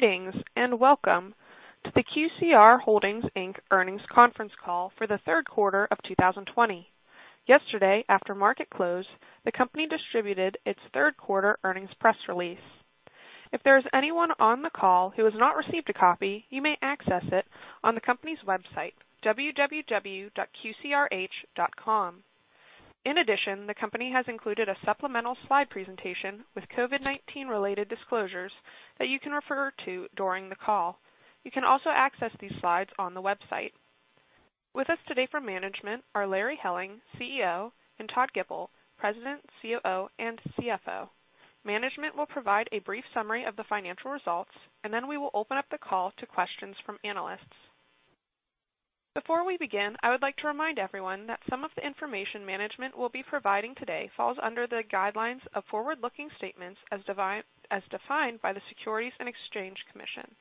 Greetings and welcome to the QCR Holdings Inc earnings conference call for the third quarter of 2020. Yesterday, after market close, the company distributed its third quarter earnings press release. If there is anyone on the call who has not received a copy, you may access it on the company's website, www.qcrh.com. In addition, the company has included a supplemental slide presentation with COVID-19-related disclosures that you can refer to during the call. You can also access these slides on the website. With us today from management are Larry Helling, CEO, and Todd Gipple, President, COO, and CFO. Management will provide a brief summary of the financial results, and then we will open up the call to questions from analysts. Before we begin, I would like to remind everyone that some of the information management will be providing today falls under the guidelines of forward-looking statements as defined by the Securities and Exchange Commission.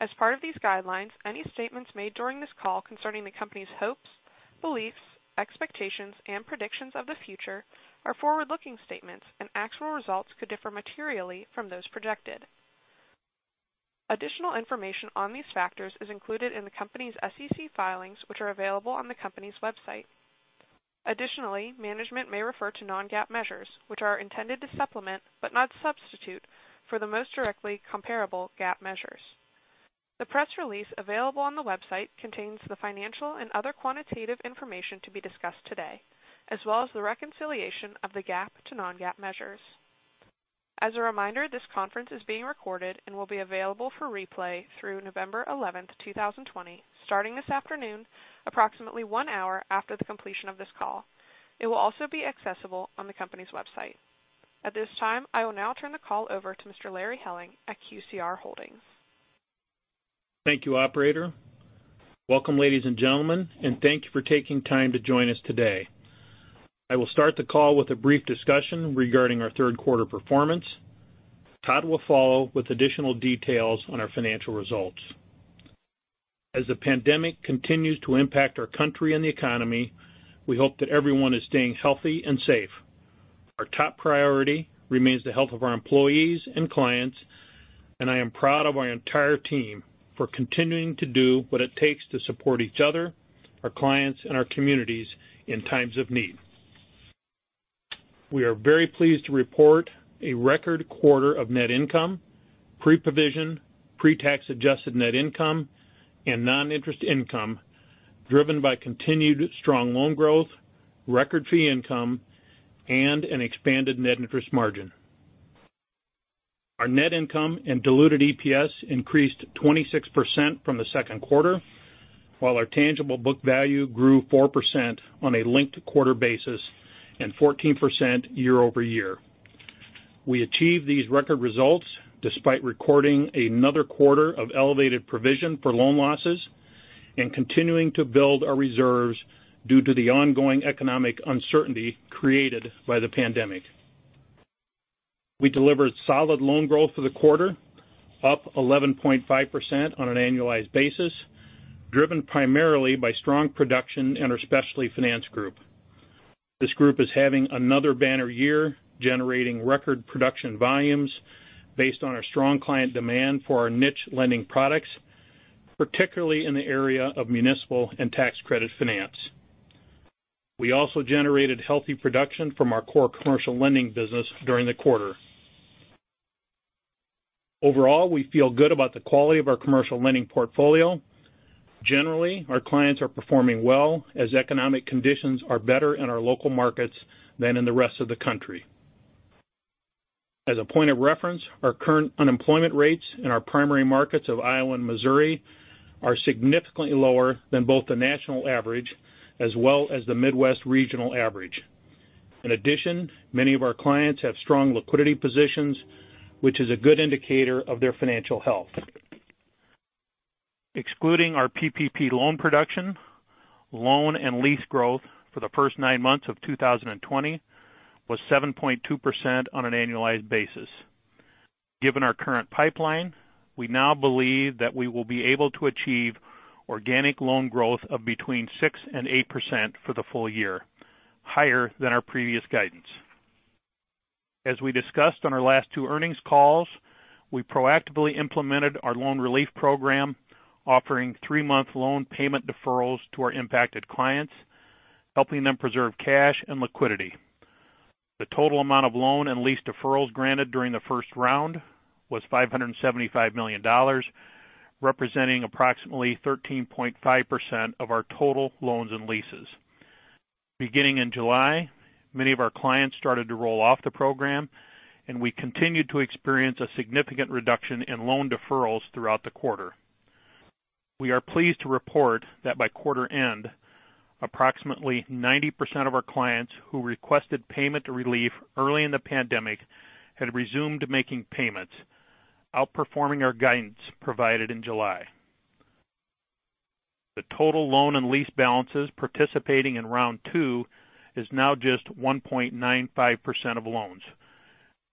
As part of these guidelines, any statements made during this call concerning the company's hopes, beliefs, expectations, and predictions of the future are forward-looking statements, and actual results could differ materially from those projected. Additional information on these factors is included in the company's SEC filings, which are available on the company's website. Additionally, management may refer to non-GAAP measures, which are intended to supplement but not substitute for the most directly comparable GAAP measures. The press release available on the website contains the financial and other quantitative information to be discussed today, as well as the reconciliation of the GAAP to non-GAAP measures. As a reminder, this conference is being recorded and will be available for replay through November 11, 2020, starting this afternoon, approximately one hour after the completion of this call. It will also be accessible on the company's website. At this time, I will now turn the call over to Mr. Larry Helling at QCR Holdings. Thank you, Operator. Welcome, ladies and gentlemen, and thank you for taking time to join us today. I will start the call with a brief discussion regarding our third quarter performance. Todd will follow with additional details on our financial results. As the pandemic continues to impact our country and the economy, we hope that everyone is staying healthy and safe. Our top priority remains the health of our employees and clients, and I am proud of our entire team for continuing to do what it takes to support each other, our clients, and our communities in times of need. We are very pleased to report a record quarter of net income, pre-provision, pre-tax adjusted net income, and non-interest income driven by continued strong loan growth, record fee income, and an expanded net interest margin. Our net income and diluted EPS increased 26% from the second quarter, while our tangible book value grew 4% on a linked quarter basis and 14% year over year. We achieved these record results despite recording another quarter of elevated provision for loan losses and continuing to build our reserves due to the ongoing economic uncertainty created by the pandemic. We delivered solid loan growth for the quarter, up 11.5% on an annualized basis, driven primarily by strong production in our specialty finance group. This group is having another banner year, generating record production volumes based on our strong client demand for our niche lending products, particularly in the area of municipal and tax credit finance. We also generated healthy production from our core commercial lending business during the quarter. Overall, we feel good about the quality of our commercial lending portfolio. Generally, our clients are performing well as economic conditions are better in our local markets than in the rest of the country. As a point of reference, our current unemployment rates in our primary markets of Iowa and Missouri are significantly lower than both the national average as well as the Midwest regional average. In addition, many of our clients have strong liquidity positions, which is a good indicator of their financial health. Excluding our PPP loan production, loan and lease growth for the first nine months of 2020 was 7.2% on an annualized basis. Given our current pipeline, we now believe that we will be able to achieve organic loan growth of between 6% and 8% for the full year, higher than our previous guidance. As we discussed on our last two earnings calls, we proactively implemented our loan relief program, offering three-month loan payment deferrals to our impacted clients, helping them preserve cash and liquidity. The total amount of loan and lease deferrals granted during the first round was $575 million, representing approximately 13.5% of our total loans and leases. Beginning in July, many of our clients started to roll off the program, and we continued to experience a significant reduction in loan deferrals throughout the quarter. We are pleased to report that by quarter end, approximately 90% of our clients who requested payment relief early in the pandemic had resumed making payments, outperforming our guidance provided in July. The total loan and lease balances participating in round two is now just 1.95% of loans,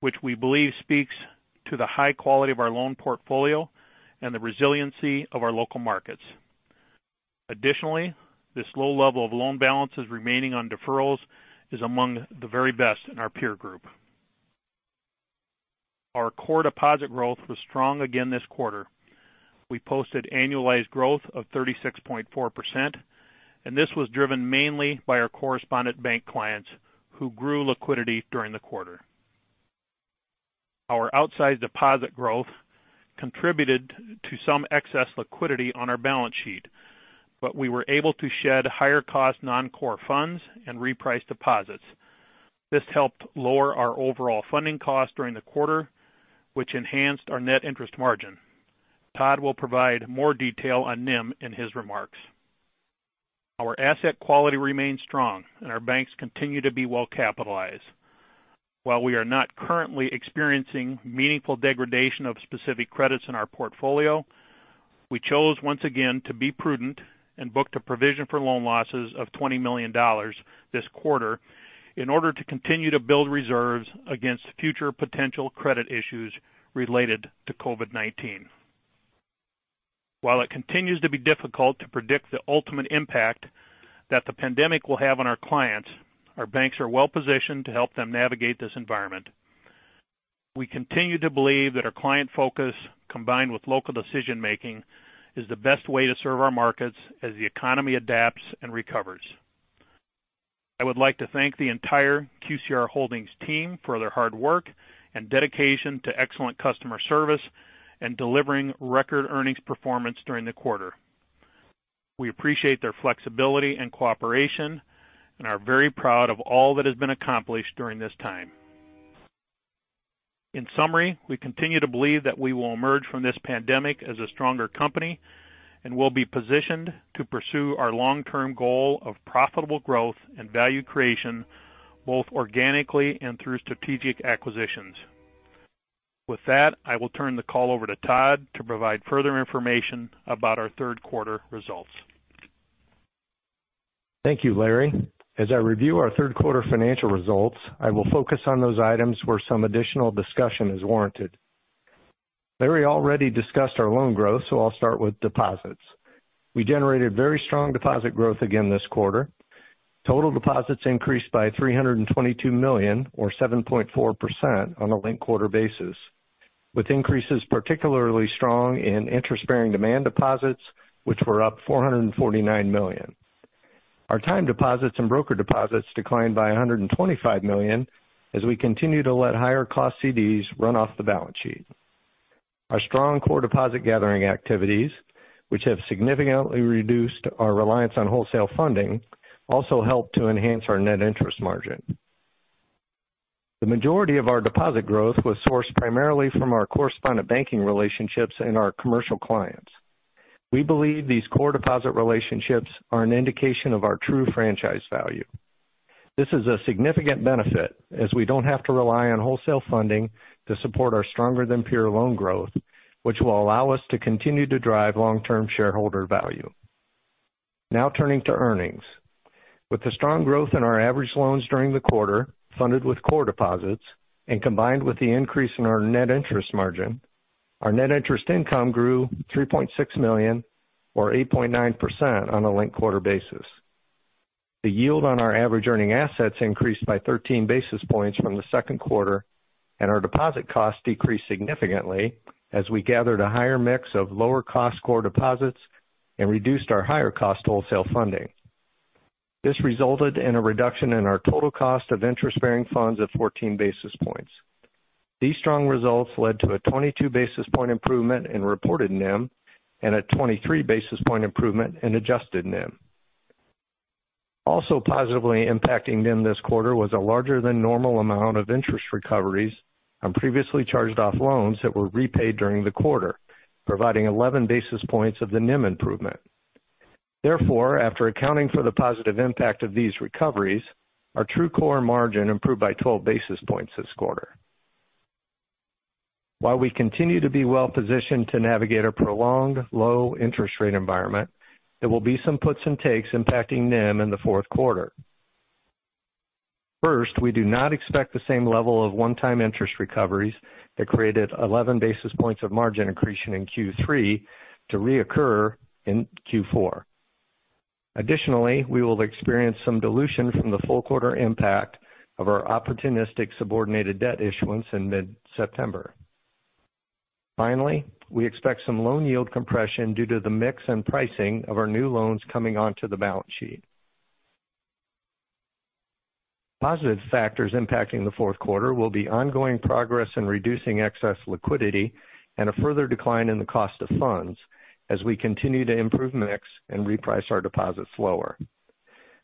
which we believe speaks to the high quality of our loan portfolio and the resiliency of our local markets. Additionally, this low level of loan balances remaining on deferrals is among the very best in our peer group. Our core deposit growth was strong again this quarter. We posted annualized growth of 36.4%, and this was driven mainly by our correspondent bank clients who grew liquidity during the quarter. Our outsized deposit growth contributed to some excess liquidity on our balance sheet, but we were able to shed higher-cost non-core funds and repriced deposits. This helped lower our overall funding cost during the quarter, which enhanced our net interest margin. Todd will provide more detail on NIM in his remarks. Our asset quality remains strong, and our banks continue to be well capitalized. While we are not currently experiencing meaningful degradation of specific credits in our portfolio, we chose once again to be prudent and booked a provision for loan losses of $20 million this quarter in order to continue to build reserves against future potential credit issues related to COVID-19. While it continues to be difficult to predict the ultimate impact that the pandemic will have on our clients, our banks are well positioned to help them navigate this environment. We continue to believe that our client focus, combined with local decision-making, is the best way to serve our markets as the economy adapts and recovers. I would like to thank the entire QCR Holdings team for their hard work and dedication to excellent customer service and delivering record earnings performance during the quarter. We appreciate their flexibility and cooperation and are very proud of all that has been accomplished during this time. In summary, we continue to believe that we will emerge from this pandemic as a stronger company and will be positioned to pursue our long-term goal of profitable growth and value creation, both organically and through strategic acquisitions. With that, I will turn the call over to Todd to provide further information about our third quarter results. Thank you, Larry. As I review our third quarter financial results, I will focus on those items where some additional discussion is warranted. Larry already discussed our loan growth, so I'll start with deposits. We generated very strong deposit growth again this quarter. Total deposits increased by $322 million, or 7.4%, on a linked quarter basis, with increases particularly strong in interest-bearing demand deposits, which were up $449 million. Our time deposits and broker deposits declined by $125 million as we continue to let higher-cost CDs run off the balance sheet. Our strong core deposit gathering activities, which have significantly reduced our reliance on wholesale funding, also helped to enhance our net interest margin. The majority of our deposit growth was sourced primarily from our correspondent banking relationships and our commercial clients. We believe these core deposit relationships are an indication of our true franchise value. This is a significant benefit as we do not have to rely on wholesale funding to support our stronger-than-peer loan growth, which will allow us to continue to drive long-term shareholder value. Now turning to earnings. With the strong growth in our average loans during the quarter, funded with core deposits, and combined with the increase in our net interest margin, our net interest income grew $3.6 million, or 8.9%, on a linked quarter basis. The yield on our average earning assets increased by 13 basis points from the second quarter, and our deposit costs decreased significantly as we gathered a higher mix of lower-cost core deposits and reduced our higher-cost wholesale funding. This resulted in a reduction in our total cost of interest-bearing funds of 14 basis points. These strong results led to a 22 basis point improvement in reported NIM and a 23 basis point improvement in adjusted NIM. Also positively impacting NIM this quarter was a larger-than-normal amount of interest recoveries on previously charged-off loans that were repaid during the quarter, providing 11 basis points of the NIM improvement. Therefore, after accounting for the positive impact of these recoveries, our true core margin improved by 12 basis points this quarter. While we continue to be well positioned to navigate a prolonged low-interest rate environment, there will be some puts and takes impacting NIM in the fourth quarter. First, we do not expect the same level of one-time interest recoveries that created 11 basis points of margin accretion in Q3 to reoccur in Q4. Additionally, we will experience some dilution from the full quarter impact of our opportunistic subordinated debt issuance in mid-September. Finally, we expect some loan yield compression due to the mix and pricing of our new loans coming onto the balance sheet. Positive factors impacting the fourth quarter will be ongoing progress in reducing excess liquidity and a further decline in the cost of funds as we continue to improve mix and reprice our deposits lower.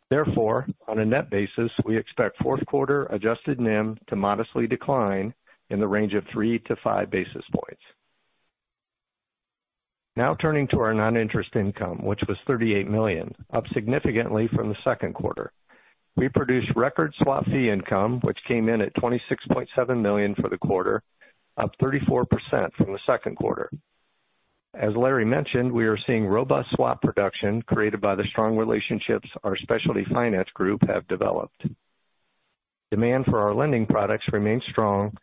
Therefore, on a net basis, we expect fourth quarter adjusted NIM to modestly decline in the range of 3-5 basis points. Now turning to our non-interest income, which was $38 million, up significantly from the second quarter. We produced record swap fee income, which came in at $26.7 million for the quarter, up 34% from the second quarter. As Larry mentioned, we are seeing robust swap production created by the strong relationships our specialty finance group have developed. Demand for our lending products remains strong,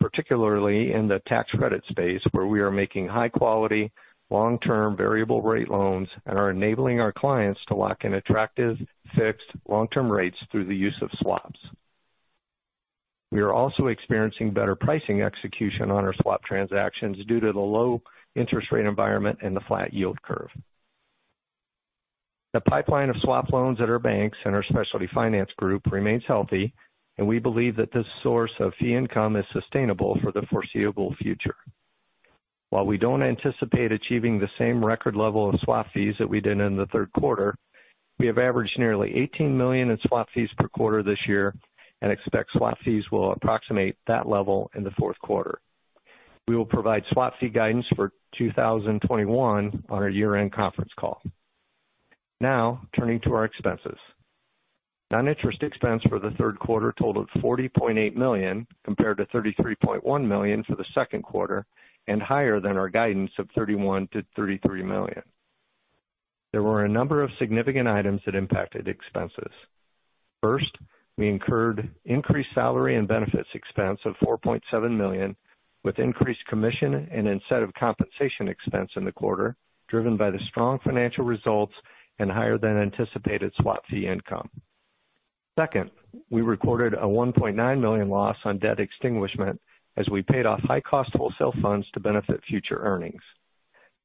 particularly in the tax credit space, where we are making high-quality, long-term variable-rate loans and are enabling our clients to lock in attractive, fixed, long-term rates through the use of swaps. We are also experiencing better pricing execution on our swap transactions due to the low interest rate environment and the flat yield curve. The pipeline of swap loans at our banks and our specialty finance group remains healthy, and we believe that this source of fee income is sustainable for the foreseeable future. While we do not anticipate achieving the same record level of swap fees that we did in the third quarter, we have averaged nearly $18 million in swap fees per quarter this year and expect swap fees will approximate that level in the fourth quarter. We will provide swap fee guidance for 2021 on our year-end conference call. Now turning to our expenses. Non-interest expense for the third quarter totaled $40.8 million compared to $33.1 million for the second quarter and higher than our guidance of $31-$33 million. There were a number of significant items that impacted expenses. First, we incurred increased salary and benefits expense of $4.7 million, with increased commission and incentive compensation expense in the quarter, driven by the strong financial results and higher-than-anticipated swap fee income. Second, we recorded a $1.9 million loss on debt extinguishment as we paid off high-cost wholesale funds to benefit future earnings.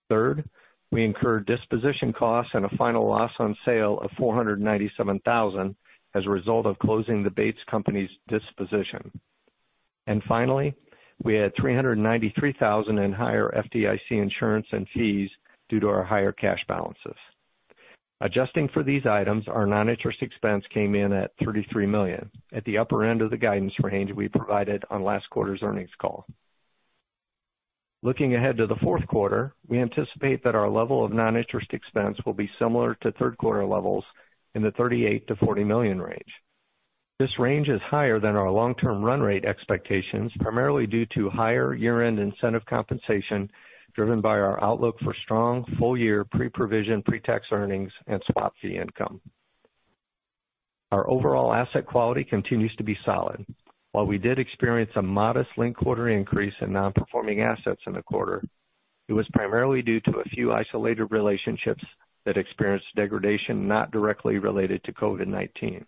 Third, we incurred disposition costs and a final loss on sale of $497,000 as a result of closing the Bates Company’s disposition. Finally, we had $393,000 in higher FDIC insurance and fees due to our higher cash balances. Adjusting for these items, our non-interest expense came in at $33 million at the upper end of the guidance range we provided on last quarter's earnings call. Looking ahead to the fourth quarter, we anticipate that our level of non-interest expense will be similar to third quarter levels in the $38-$40 million range. This range is higher than our long-term run rate expectations, primarily due to higher year-end incentive compensation driven by our outlook for strong full-year pre-provision pretax earnings and swap fee income. Our overall asset quality continues to be solid. While we did experience a modest link quarter increase in non-performing assets in the quarter, it was primarily due to a few isolated relationships that experienced degradation not directly related to COVID-19.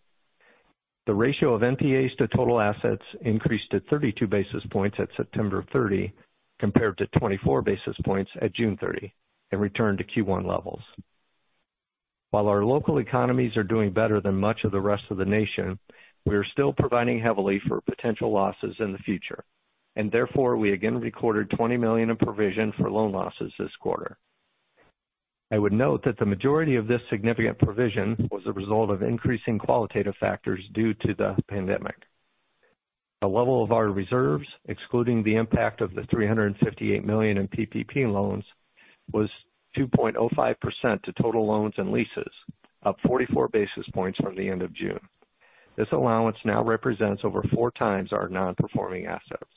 The ratio of NPAs to total assets increased to 32 basis points at September 30 compared to 24 basis points at June 30 and returned to Q1 levels. While our local economies are doing better than much of the rest of the nation, we are still providing heavily for potential losses in the future, and therefore we again recorded $20 million in provision for loan losses this quarter. I would note that the majority of this significant provision was a result of increasing qualitative factors due to the pandemic. The level of our reserves, excluding the impact of the $358 million in PPP loans, was 2.05% to total loans and leases, up 44 basis points from the end of June. This allowance now represents over four times our non-performing assets.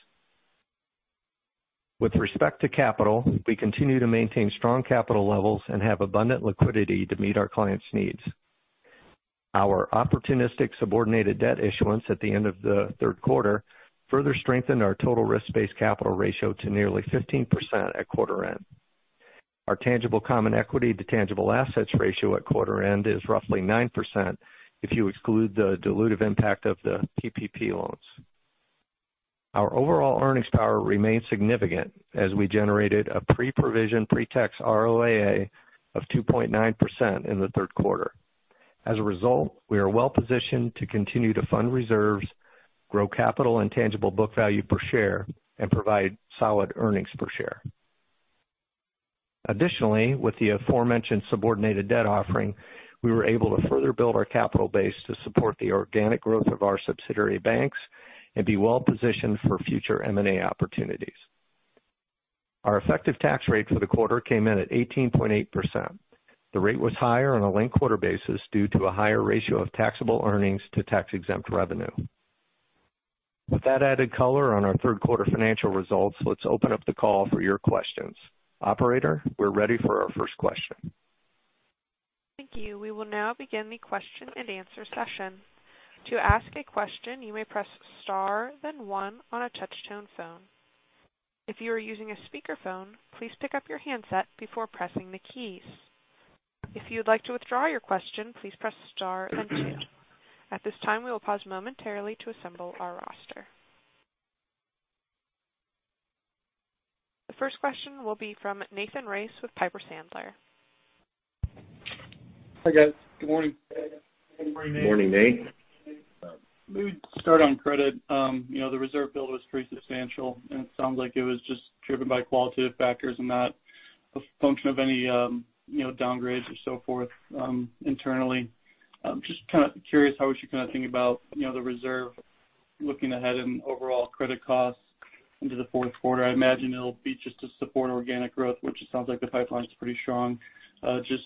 With respect to capital, we continue to maintain strong capital levels and have abundant liquidity to meet our clients' needs. Our opportunistic subordinated debt issuance at the end of the third quarter further strengthened our total risk-based capital ratio to nearly 15% at quarter end. Our tangible common equity to tangible assets ratio at quarter end is roughly 9% if you exclude the dilutive impact of the PPP loans. Our overall earnings power remains significant as we generated a pre-provision pretax ROAA of 2.9% in the third quarter. As a result, we are well positioned to continue to fund reserves, grow capital and tangible book value per share, and provide solid earnings per share. Additionally, with the aforementioned subordinated debt offering, we were able to further build our capital base to support the organic growth of our subsidiary banks and be well positioned for future M&A opportunities. Our effective tax rate for the quarter came in at 18.8%. The rate was higher on a link quarter basis due to a higher ratio of taxable earnings to tax-exempt revenue. With that added color on our third quarter financial results, let's open up the call for your questions. Operator, we're ready for our first question. Thank you. We will now begin the question and answer session. To ask a question, you may press star, then one on a touch-tone phone. If you are using a speakerphone, please pick up your handset before pressing the keys. If you'd like to withdraw your question, please press star, then two. At this time, we will pause momentarily to assemble our roster. The first question will be from Nathan Race with Piper Sandler. Hi guys. Good morning. Morning, Nate. Morning, Nate. Let me start on credit. You know, the reserve build was pretty substantial, and it sounds like it was just driven by qualitative factors and not a function of any, you know, downgrades or so forth internally. Just kind of curious how would you kind of think about, you know, the reserve looking ahead and overall credit costs into the fourth quarter. I imagine it'll be just to support organic growth, which it sounds like the pipeline's pretty strong, just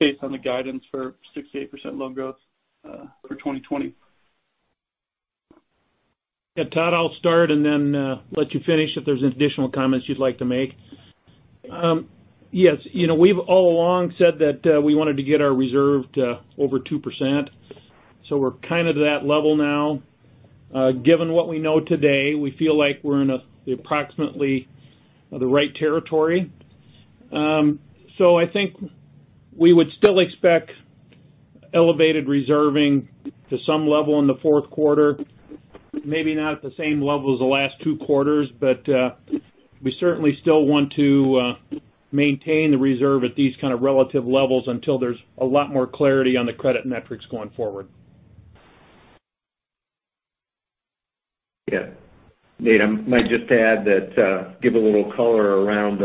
based on the guidance for 6-8% loan growth for 2020. Yeah, Todd, I'll start and then let you finish if there's additional comments you'd like to make. Yes, you know, we've all along said that we wanted to get our reserve to over 2%. So we're kind of to that level now. Given what we know today, we feel like we're in approximately the right territory. I think we would still expect elevated reserving to some level in the fourth quarter, maybe not at the same level as the last two quarters, but we certainly still want to maintain the reserve at these kind of relative levels until there is a lot more clarity on the credit metrics going forward. Yeah. Nate, I might just add that, give a little color around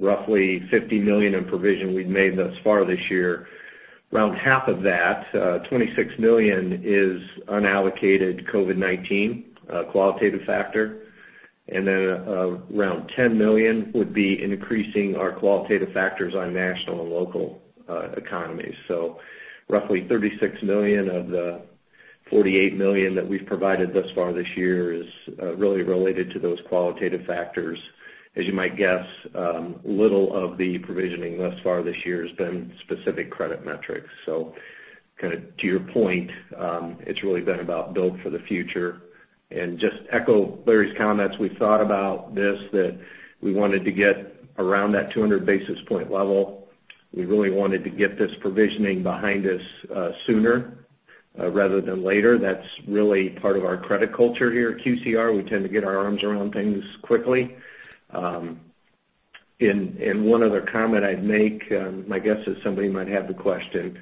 roughly $50 million in provision we have made thus far this year. Around half of that, $26 million, is unallocated COVID-19 qualitative factor. And then around $10 million would be increasing our qualitative factors on national and local economies. So roughly $36 million of the $48 million that we have provided thus far this year is really related to those qualitative factors. As you might guess, little of the provisioning thus far this year has been specific credit metrics. Kind of to your point, it's really been about built for the future. Just to echo Larry's comments, we thought about this, that we wanted to get around that 200 basis point level. We really wanted to get this provisioning behind us sooner rather than later. That's really part of our credit culture here at QCR. We tend to get our arms around things quickly. One other comment I'd make, my guess is somebody might have the question,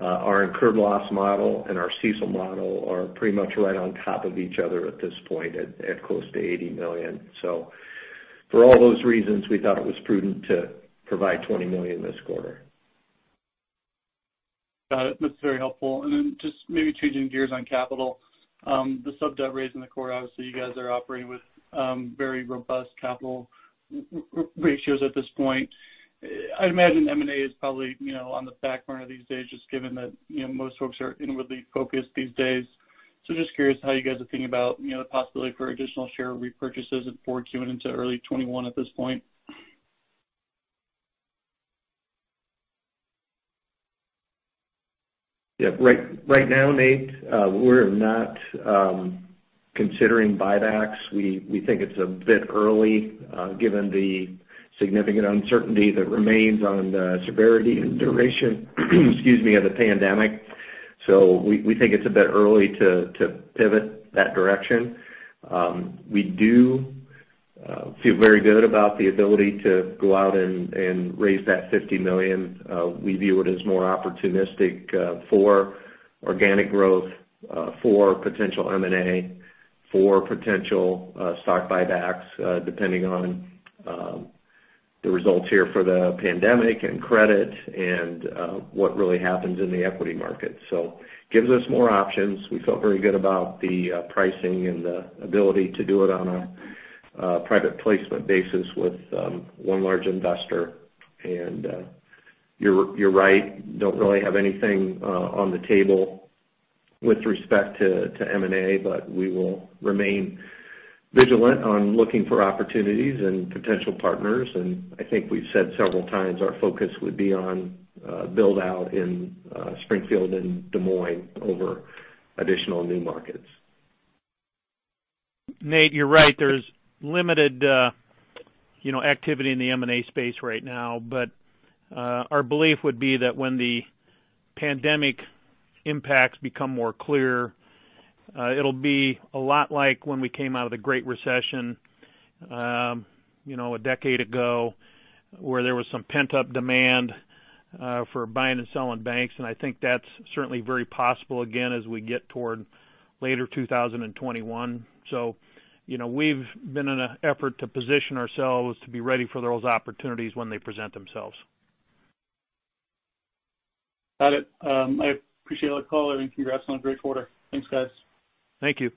our incurred loss model and our CESO model are pretty much right on top of each other at this point at close to $80 million. For all those reasons, we thought it was prudent to provide $20 million this quarter. Got it. That's very helpful. Just maybe changing gears on capital, the sub-debt rates in the quarter, obviously you guys are operating with very robust capital ratios at this point. I'd imagine M&A is probably, you know, on the back burner these days, just given that, you know, most folks are inwardly focused these days. Just curious how you guys are thinking about, you know, the possibility for additional share repurchases and forward queuing into early 2021 at this point. Yeah, right now, Nate, we're not considering buybacks. We think it's a bit early given the significant uncertainty that remains on the severity and duration, excuse me, of the pandemic. We think it's a bit early to pivot that direction. We do feel very good about the ability to go out and raise that $50 million. We view it as more opportunistic for organic growth, for potential M&A, for potential stock buybacks, depending on the results here for the pandemic and credit and what really happens in the equity market. It gives us more options. We feel very good about the pricing and the ability to do it on a private placement basis with one large investor. You're right, don't really have anything on the table with respect to M&A, but we will remain vigilant on looking for opportunities and potential partners. I think we've said several times our focus would be on build-out in Springfield and Des Moines over additional new markets. Nate, you're right. There's limited, you know, activity in the M&A space right now, but our belief would be that when the pandemic impacts become more clear, it'll be a lot like when we came out of the Great Recession, you know, a decade ago, where there was some pent-up demand for buying and selling banks. I think that's certainly very possible again as we get toward later 2021. You know, we've been in an effort to position ourselves to be ready for those opportunities when they present themselves. Got it. I appreciate all the call, and congrats on the great quarter. Thanks, guys. Thank you.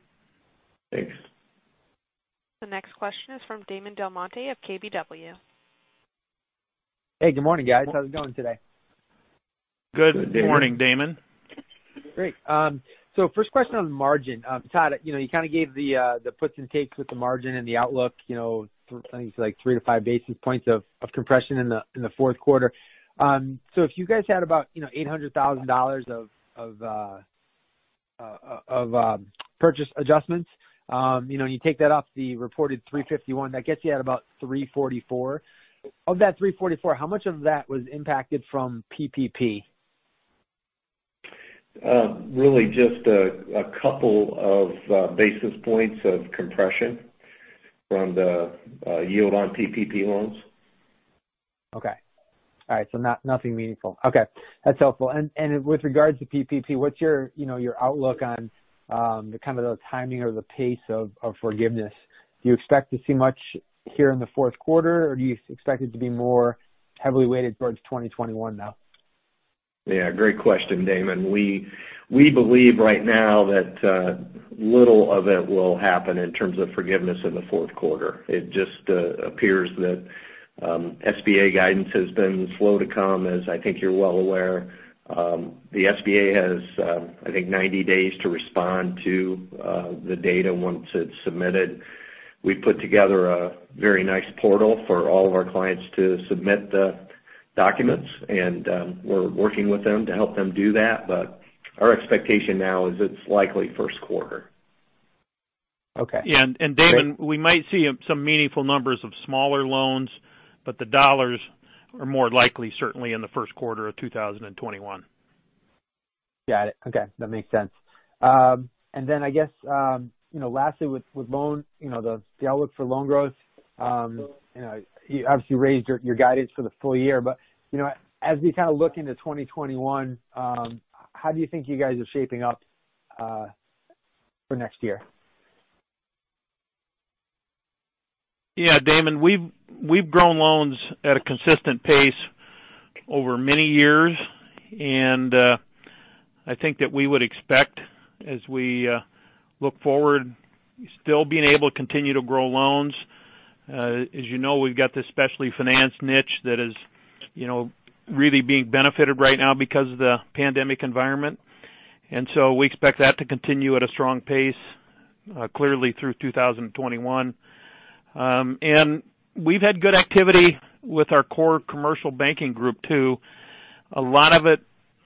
Thanks. The next question is from Damon DelMonte of KBW. Hey, good morning, guys. How's it going today? Good morning, Damon. Great. First question on the margin. Todd, you know, you kind of gave the puts and takes with the margin and the outlook, you know, things like three to five basis points of compression in the fourth quarter. If you guys had about, you know, $800,000 of purchase adjustments, you know, and you take that off the reported 351, that gets you at about 344. Of that 344, how much of that was impacted from PPP? Really just a couple of basis points of compression from the yield on PPP loans. Okay. All right. Nothing meaningful. Okay. That's helpful. With regards to PPP, what's your, you know, your outlook on the kind of the timing or the pace of forgiveness? Do you expect to see much here in the fourth quarter, or do you expect it to be more heavily weighted towards 2021 now? Yeah, great question, Damon. We believe right now that little of it will happen in terms of forgiveness in the fourth quarter. It just appears that SBA guidance has been slow to come, as I think you're well aware. The SBA has, I think, 90 days to respond to the data once it's submitted. We've put together a very nice portal for all of our clients to submit the documents, and we're working with them to help them do that. Our expectation now is it's likely first quarter. Okay. Damon, we might see some meaningful numbers of smaller loans, but the dollars are more likely, certainly, in the first quarter of 2021. Got it. Okay. That makes sense. I guess, you know, lastly with loan, you know, the outlook for loan growth, you know, you obviously raised your guidance for the full year. But, you know, as we kind of look into 2021, how do you think you guys are shaping up for next year? Yeah, Damon, we've grown loans at a consistent pace over many years. I think that we would expect, as we look forward, still being able to continue to grow loans. As you know, we've got this specialty finance niche that is, you know, really being benefited right now because of the pandemic environment. I expect that to continue at a strong pace, clearly through 2021. We've had good activity with our core commercial banking group too, a lot of it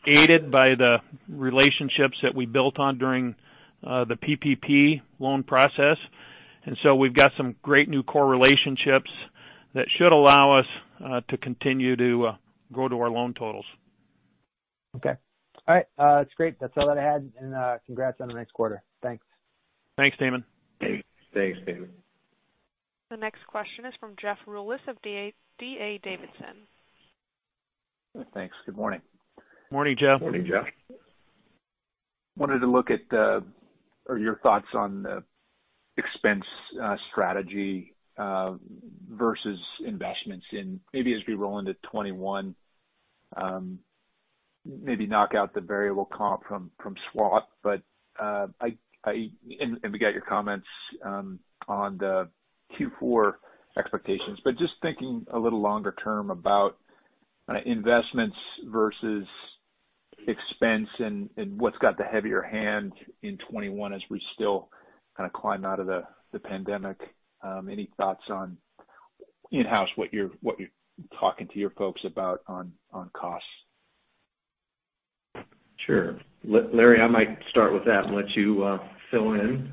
aided by the relationships that we built on during the PPP loan process. We've got some great new core relationships that should allow us to continue to grow our loan totals. Okay. All right. That's great. That's all that I had. Congrats on the next quarter. Thanks. Thanks, Damon. Stay safe. The next question is from Jeff Rulis of D.A. Davidson. Thanks. Good morning. Morning, Jeff. Morning, Jeff. Wanted to look at your thoughts on the expense strategy versus investments in maybe as we roll into 2021, maybe knock out the variable comp from SWAT. I got your comments on the Q4 expectations. Just thinking a little longer term about investments versus expense and what's got the heavier hand in 2021 as we still kind of climb out of the pandemic. Any thoughts on in-house, what you're talking to your folks about on costs? Sure. Larry, I might start with that and let you fill in.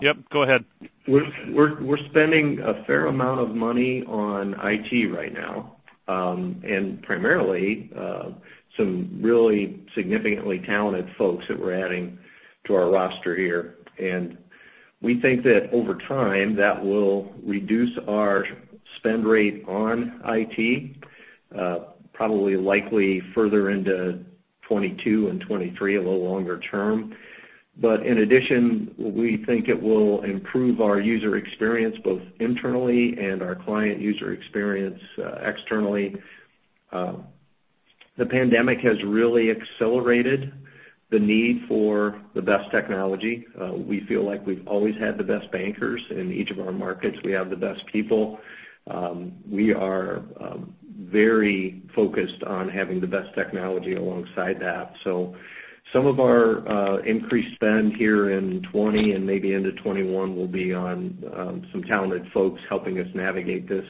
Yep, go ahead. We're spending a fair amount of money on IT right now, and primarily some really significantly talented folks that we're adding to our roster here. We think that over time, that will reduce our spend rate on IT, probably likely further into 2022 and 2023, a little longer term. In addition, we think it will improve our user experience both internally and our client user experience externally. The pandemic has really accelerated the need for the best technology. We feel like we've always had the best bankers in each of our markets. We have the best people. We are very focused on having the best technology alongside that. Some of our increased spend here in 2020 and maybe into 2021 will be on some talented folks helping us navigate this.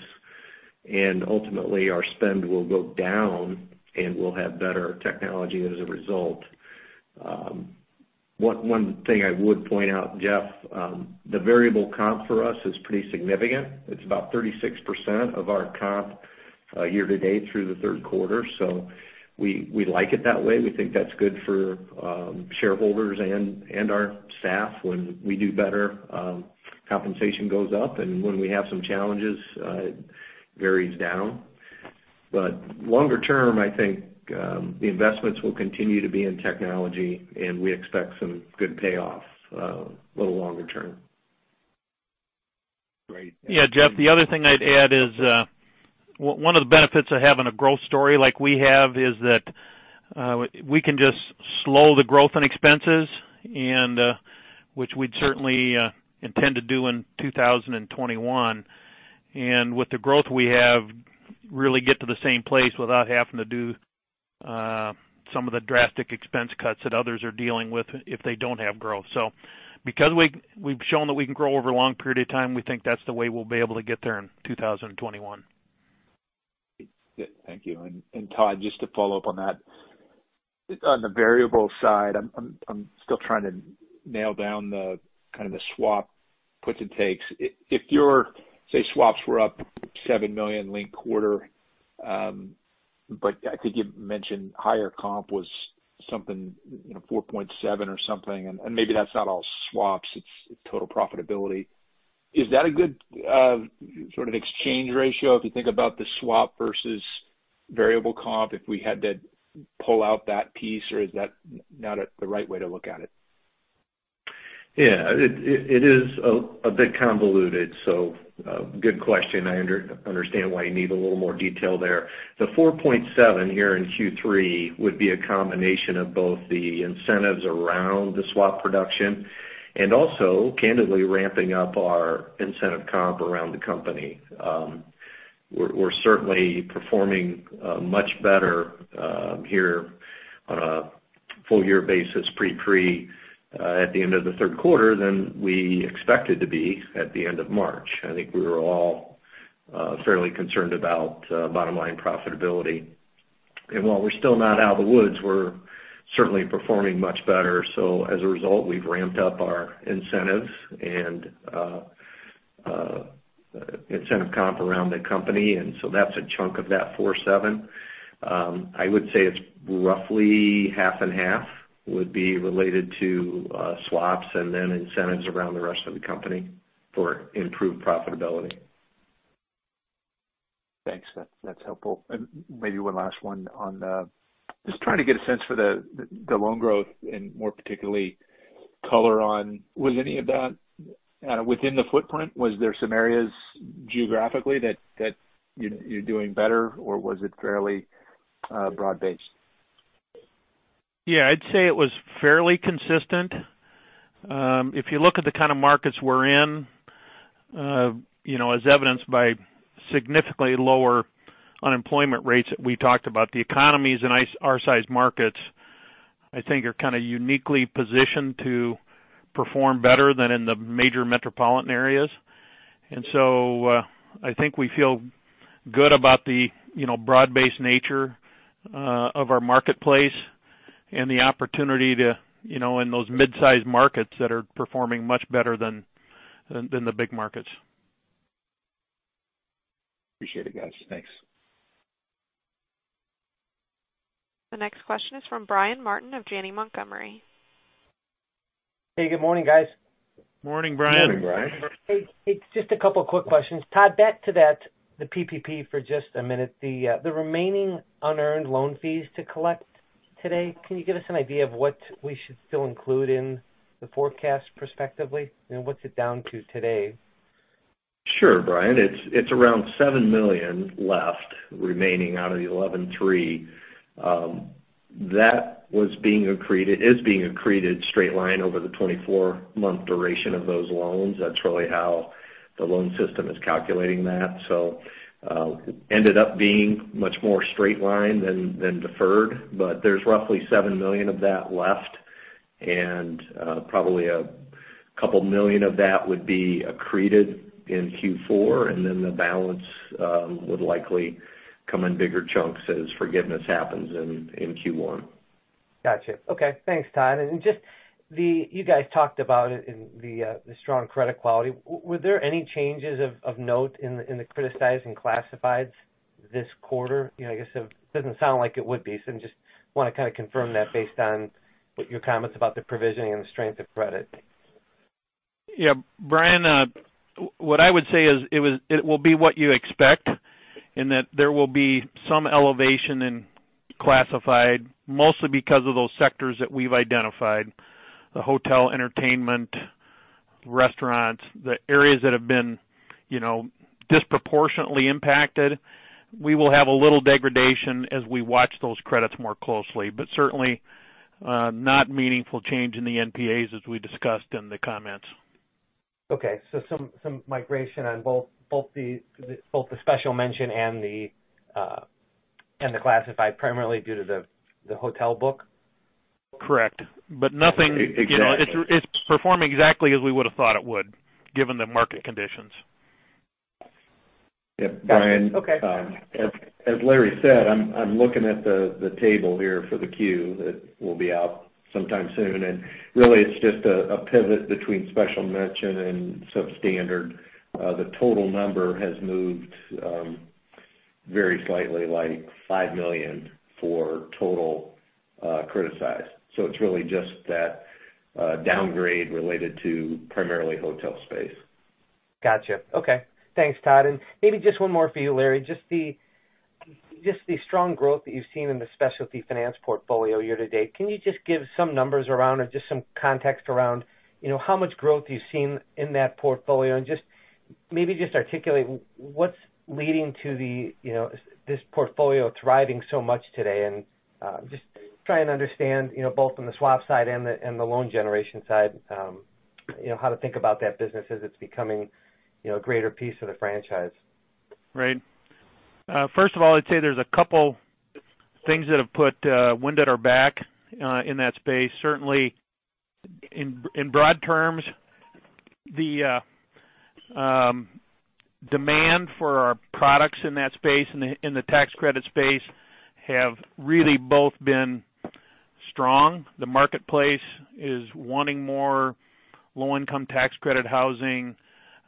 Ultimately, our spend will go down and we'll have better technology as a result. One thing I would point out, Jeff, the variable comp for us is pretty significant. It's about 36% of our comp year to date through the third quarter. We like it that way. We think that's good for shareholders and our staff when we do better. Compensation goes up, and when we have some challenges, it varies down. Longer term, I think the investments will continue to be in technology, and we expect some good payoff a little longer term. Great. Yeah, Jeff, the other thing I'd add is one of the benefits of having a growth story like we have is that we can just slow the growth and expenses, which we'd certainly intend to do in 2021. With the growth we have, really get to the same place without having to do some of the drastic expense cuts that others are dealing with if they don't have growth. Because we've shown that we can grow over a long period of time, we think that's the way we'll be able to get there in 2021. Good. Thank you. Todd, just to follow up on that, on the variable side, I'm still trying to nail down the kind of the swap puts and takes. If your, say, swaps were up $7 million late quarter, but I think you mentioned higher comp was something, you know, $4.7 million or something, and maybe that's not all swaps, it's total profitability. Is that a good sort of exchange ratio if you think about the swap versus variable comp if we had to pull out that piece, or is that not the right way to look at it? Yeah, it is a bit convoluted. Good question. I understand why you need a little more detail there. The $4.7 million here in Q3 would be a combination of both the incentives around the swap production and also candidly ramping up our incentive comp around the company. We're certainly performing much better here on a full-year basis pre-pre at the end of the third quarter than we expected to be at the end of March. I think we were all fairly concerned about bottom-line profitability. While we're still not out of the woods, we're certainly performing much better. As a result, we've ramped up our incentives and incentive comp around the company. That's a chunk of that $4.7. I would say it's roughly half and half would be related to swaps and then incentives around the rest of the company for improved profitability. Thanks, Todd. That's helpful. Maybe one last one on just trying to get a sense for the loan growth and more particularly color on. Was any of that within the footprint? Was there some areas geographically that you're doing better, or was it fairly broad-based? Yeah, I'd say it was fairly consistent. If you look at the kind of markets we're in, you know, as evidenced by significantly lower unemployment rates that we talked about, the economies in our size markets, I think, are kind of uniquely positioned to perform better than in the major metropolitan areas. I think we feel good about the, you know, broad-based nature of our marketplace and the opportunity to, you know, in those mid-sized markets that are performing much better than the big markets. Appreciate it, guys. Thanks. The next question is from Brian Martin of Janney Montgomery. Hey, good morning, guys. Morning, Brian. Morning, Brian. Hey, just a couple of quick questions. Todd, back to that, the PPP for just a minute, the remaining unearned loan fees to collect today, can you give us an idea of what we should still include in the forecast perspectively? What's it down to today? Sure, Brian. It's around $7 million left remaining out of the $11.3 million. That was being accreted, is being accreted straight line over the 24-month duration of those loans. That's really how the loan system is calculating that. It ended up being much more straight line than deferred. There's roughly $7 million of that left. Probably a couple million of that would be accreted in Q4. The balance would likely come in bigger chunks as forgiveness happens in Q1. Gotcha. Okay. Thanks, Todd. Just the, you guys talked about it in the strong credit quality. Were there any changes of note in the criticized and classifieds this quarter? You know, I guess it doesn't sound like it would be. I just want to kind of confirm that based on what your comments about the provisioning and the strength of credit. Yeah, Brian, what I would say is it will be what you expect in that there will be some elevation in classified, mostly because of those sectors that we've identified, the hotel, entertainment, restaurants, the areas that have been, you know, disproportionately impacted. We will have a little degradation as we watch those credits more closely, but certainly not meaningful change in the NPAs as we discussed in the comments. Okay. Some migration on both the special mention and the classified primarily due to the hotel book? Correct. Nothing, you know, it's performing exactly as we would have thought it would, given the market conditions. Yeah, Brian. Okay. As Larry said, I'm looking at the table here for the Q that will be out sometime soon. Really, it's just a pivot between special mention and substandard. The total number has moved very slightly, like $5 million for total criticized. It's really just that downgrade related to primarily hotel space. Gotcha. Okay. Thanks, Todd. Maybe just one more for you, Larry, just the strong growth that you've seen in the specialty finance portfolio year to date. Can you just give some numbers around or just some context around, you know, how much growth you've seen in that portfolio? Maybe just articulate what's leading to the, you know, this portfolio thriving so much today and just try and understand, you know, both on the swap side and the loan generation side, you know, how to think about that business as it's becoming, you know, a greater piece of the franchise. Right. First of all, I'd say there's a couple things that have put wind at our back in that space. Certainly, in broad terms, the demand for our products in that space and the tax credit space have really both been strong. The marketplace is wanting more low-income tax credit housing.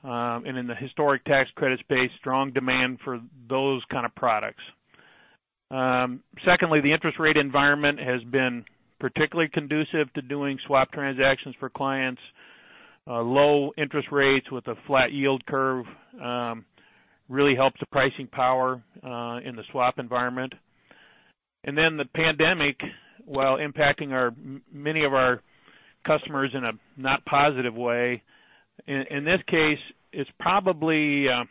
In the historic tax credit space, strong demand for those kind of products. Secondly, the interest rate environment has been particularly conducive to doing swap transactions for clients. Low interest rates with a flat yield curve really helps the pricing power in the swap environment. The pandemic, while impacting many of our customers in a not positive way, in this case, it's probably a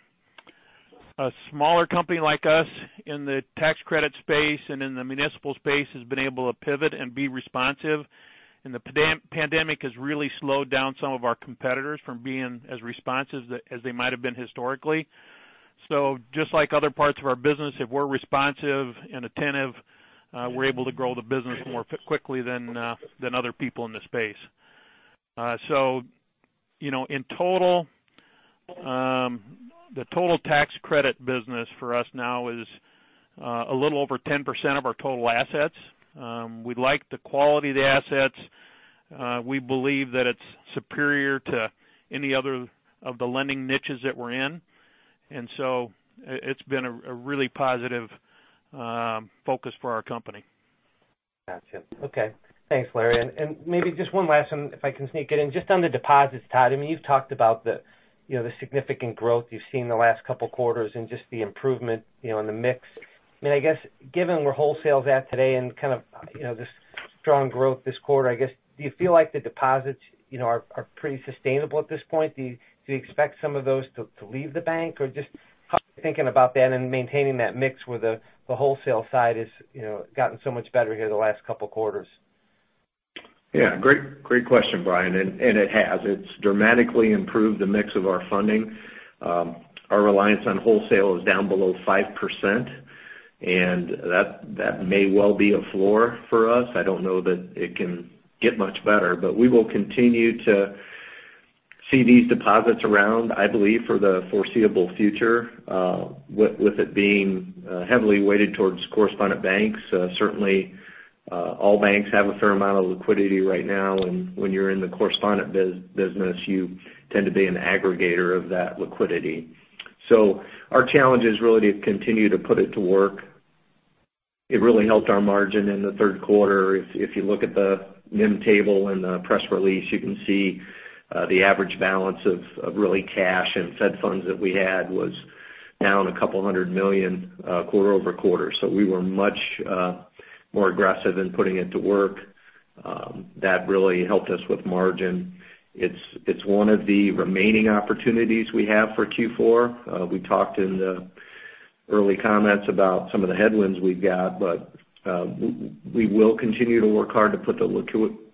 smaller company like us in the tax credit space and in the municipal space has been able to pivot and be responsive. The pandemic has really slowed down some of our competitors from being as responsive as they might have been historically. Just like other parts of our business, if we're responsive and attentive, we're able to grow the business more quickly than other people in the space. You know, in total, the total tax credit business for us now is a little over 10% of our total assets. We like the quality of the assets. We believe that it's superior to any other of the lending niches that we're in. It's been a really positive focus for our company. Gotcha. Okay. Thanks, Larry. Maybe just one last one, if I can sneak it in, just on the deposits, Todd, I mean, you've talked about the, you know, the significant growth you've seen the last couple of quarters and just the improvement, you know, in the mix. I mean, I guess, given where wholesale's at today and kind of, you know, this strong growth this quarter, I guess, do you feel like the deposits, you know, are pretty sustainable at this point? Do you expect some of those to leave the bank or just thinking about that and maintaining that mix where the wholesale side has, you know, gotten so much better here the last couple of quarters? Yeah, great question, Brian. It has. It's dramatically improved the mix of our funding. Our reliance on wholesale is down below 5%. That may well be a floor for us. I don't know that it can get much better, but we will continue to see these deposits around, I believe, for the foreseeable future with it being heavily weighted towards correspondent banks. Certainly, all banks have a fair amount of liquidity right now. When you're in the correspondent business, you tend to be an aggregator of that liquidity. Our challenge is really to continue to put it to work. It really helped our margin in the third quarter. If you look at the NIM table in the press release, you can see the average balance of really cash and Fed funds that we had was down a couple hundred million quarter-over-quarter. We were much more aggressive in putting it to work. That really helped us with margin. It's one of the remaining opportunities we have for Q4. We talked in the early comments about some of the headwinds we've got, but we will continue to work hard to put the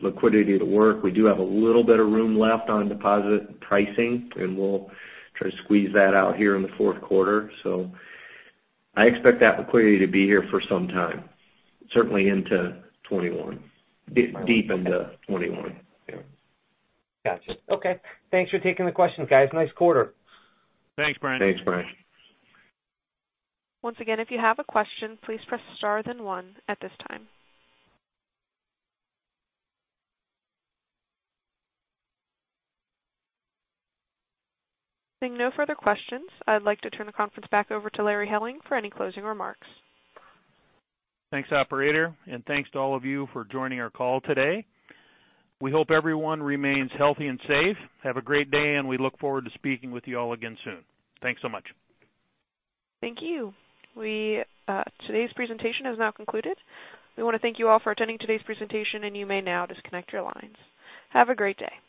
liquidity to work. We do have a little bit of room left on deposit pricing, and we'll try to squeeze that out here in the fourth quarter. I expect that liquidity to be here for some time, certainly into 2021, deep into 2021. Yeah. Gotcha. Okay. Thanks for taking the question, guys. Nice quarter. Thanks, Brian. Thanks, Brian. Once again, if you have a question, please press star then one at this time. Seeing no further questions, I'd like to turn the conference back over to Larry Helling for any closing remarks. Thanks, operator. Thanks to all of you for joining our call today. We hope everyone remains healthy and safe. Have a great day, and we look forward to speaking with you all again soon. Thanks so much. Thank you. Today's presentation is now concluded. We want to thank you all for attending today's presentation, and you may now disconnect your lines. Have a great day.